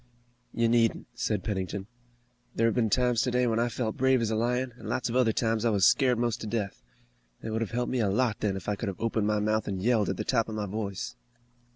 "You needn't," said Pennington. "There have been times today when I felt brave as a lion, and lots of other times I was scared most to death. It would have helped me a lot then, if I could have opened my mouth and yelled at the top of my voice."